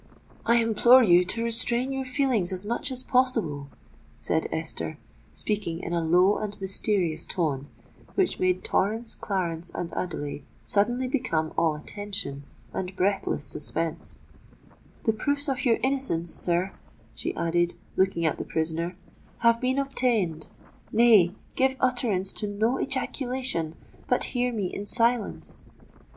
"I implore you to restrain your feelings as much as possible," said Esther, speaking in a low and mysterious tone, which made Torrens, Clarence, and Adelais suddenly become all attention and breathless suspense; "the proofs of your innocence, sir," she added, looking at the prisoner, "have been obtained! Nay—give utterance to no ejaculation—but hear me in silence!